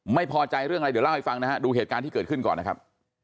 ไม่พอใจเรื่องอะไรเดี๋ยวเล่าให้ฟังนะฮะดูเหตุการณ์ที่เกิดขึ้นก่อนนะครับ